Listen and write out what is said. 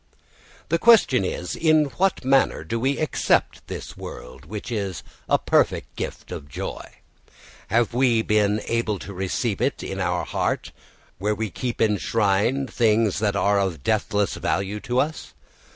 The question is, In what manner do we accept this world, which is a perfect gift of joy? Have we been able to receive it in our heart where we keep enshrined things that are of deathless value to us?